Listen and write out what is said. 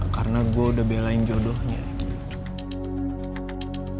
karena gue udah belain jodohnya gitu